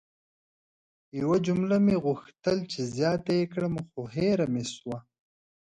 یوه جمله مې غوښتل چې زیاته ېې کړم خو هیره مې سوه!